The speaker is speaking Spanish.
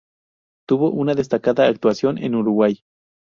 Tuvo una destacada actuación en Uruguay.